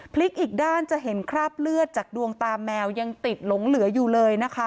อีกด้านจะเห็นคราบเลือดจากดวงตาแมวยังติดหลงเหลืออยู่เลยนะคะ